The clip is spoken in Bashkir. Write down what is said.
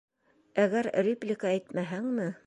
Әгәр реплика әйтмәһәңме!